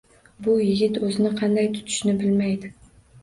Bu yigit o'zini qanday tutishni bilmaydi.